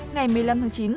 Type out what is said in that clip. ngày một mươi năm tháng chín